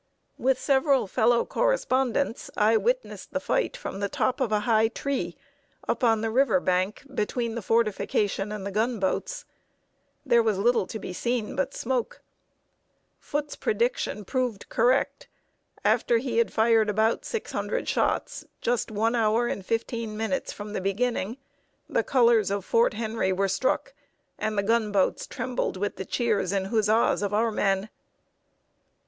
With several fellow correspondents, I witnessed the fight from the top of a high tree, up on the river bank, between the fortification and the gun boats. There was little to be seen but smoke. Foote's prediction proved correct. After he had fired about six hundred shots, just one hour and fifteen minutes from the beginning, the colors of Fort Henry were struck, and the gunboats trembled with the cheers and huzzas of our men.